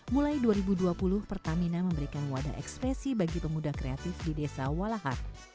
mulai dua ribu dua puluh pertamina memberikan wadah ekspresi bagi pemuda kreatif di desa walahar